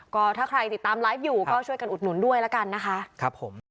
ก็ถ้าใครติดตามไลฟ์อยู่ก็ช่วยกันอุดหนุนด้วยแล้วกันนะคะครับผม